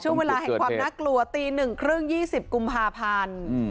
ช่วงเวลาแห่งความน่ากลัวตีหนึ่งครึ่งยี่สิบกุมภาพันธ์